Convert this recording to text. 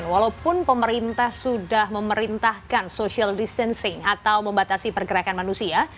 walaupun pemerintah sudah memerintahkan social distancing atau membatasi pergerakan manusia